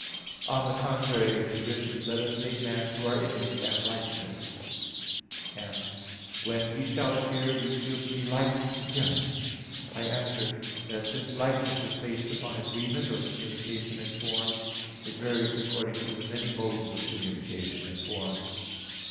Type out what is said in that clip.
(Isa. 40:18). On the contrary, It is written: "Let us make man to our image and likeness" (Gen. 1:26), and: "When He shall appear we shall be like to Him" (1 John 3:2). I answer that, Since likeness is based upon agreement or communication in form, it varies according to the many modes of communication in form.